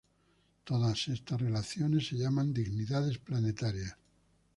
Todas estas relaciones se llaman dignidades planetarias.